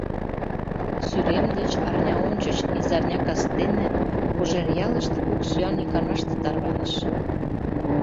Сӱрем деч арня ончыч, изарня кастене, Кожеръялыште кок сӱан иканаште тарваныш.